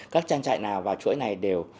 các trang trại nào vào chuỗi này đều